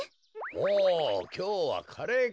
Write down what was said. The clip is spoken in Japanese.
おおきょうはカレーか。